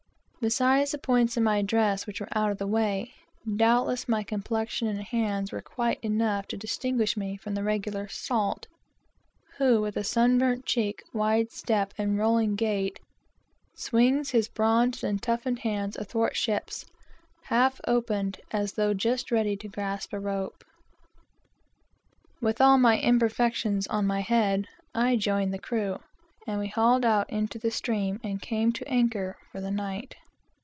Beside the points in my dress which were out of the way, doubtless my complexion and hands were enough to distinguish me from the regular salt, who, with a sun burnt cheek, wide step, and rolling gait, swings his bronzed and toughened hands athwart ships, half open, as though just ready to grasp a rope. "With all my imperfections on my head," I joined the crew, and we hauled out into the stream, and came to anchor for the night.